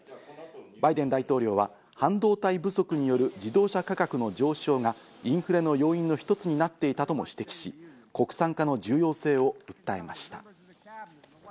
バイデン大統領は半導体不足による自動車価格の上昇がインフレの要因の一つになっていたとも指摘し、国産化の重要性を訴えました。